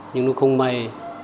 nhưng nó không may